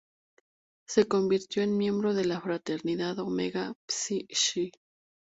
Se convirtió en miembro de la fraternidad Omega Psi Phi.